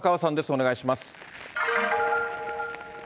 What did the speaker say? お願いします。